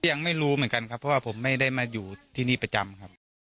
ยังไม่รู้เหมือนกันครับเพราะว่าผมไม่ได้มาอยู่ที่นี่ประจำครับ